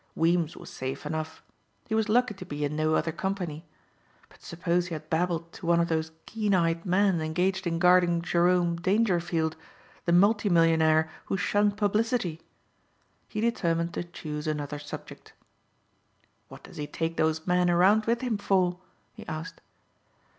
Weems was safe enough. He was lucky to be in no other company. But suppose he had babbled to one of those keen eyed men engaged in guarding Jerome Dangerfield, the multi millionaire who shunned publicity! He determined to choose another subject. "What does he take those men around with him for?" he asked.